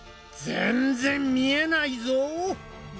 全然見えない。